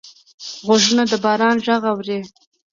غوږونه د باران غږ اوري